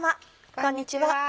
こんにちは。